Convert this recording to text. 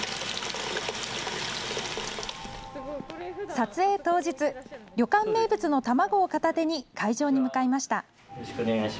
撮影当日、旅館名物の卵を片手に、会場に向かいました。